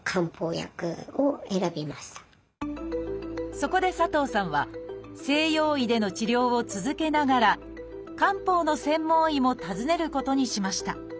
そこで佐藤さんは西洋医での治療を続けながら漢方の専門医も訪ねることにしました。